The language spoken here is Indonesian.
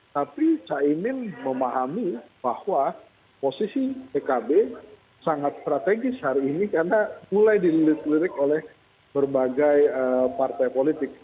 tapi caimin memahami bahwa posisi pkb sangat strategis hari ini karena mulai dilirik lirik oleh berbagai partai politik